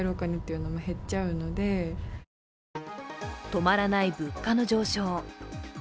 止まらない物価の上昇。